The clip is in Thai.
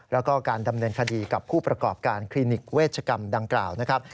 แล้วก็การดำเนินคดีกับผู้ประกอบการคลินิกเวชกรรมดังกล่าวนะครับ